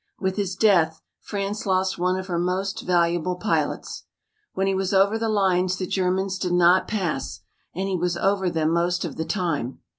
With his death France lost one of her most valuable pilots. When he was over the lines the Germans did not pass and he was over them most of the time.